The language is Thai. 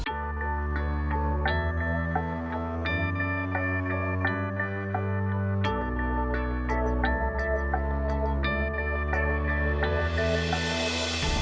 มค